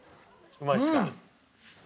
うまいですか？